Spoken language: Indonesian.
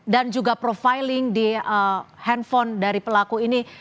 dan juga profiling di handphone dari pelaku ini